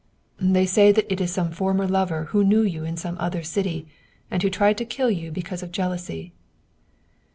" They say that it is some former lover who knew you in some other city, and who tried to kill you because of jealousy."